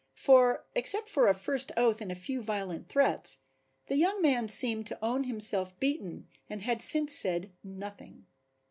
For, except for a first oath and a few violent threats, the young man seemed to own himself beaten and had since said nothing.